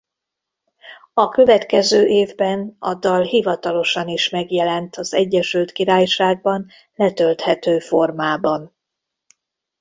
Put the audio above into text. A következő évben a dal hivatalosan is megjelent az Egyesült Királyságban letölthető formában.